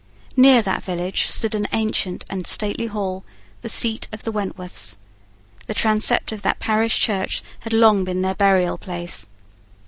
Near that village stood an ancient and stately hall, the seat of the Wentworths. The transept of the parish church had long been their burial place.